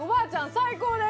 最高です！